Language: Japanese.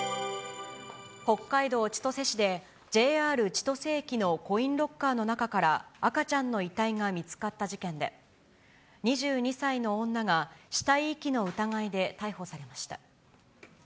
北海道千歳市で、ＪＲ千歳駅のコインロッカーの中から、赤ちゃんの遺体が見つかった事件で、２２歳の女が死体遺棄の疑いで逮捕されました。